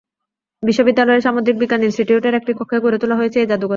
বিশ্ববিদ্যালয়ের সামুদ্রিক বিজ্ঞান ইন্সটিটিউটের একটি কক্ষে গড়ে তোলা হয়েছে এ জাদুঘর।